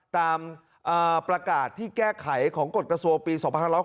ตามประกาศที่แก้ไขของกฎกระทรวงปี๒๕๖๖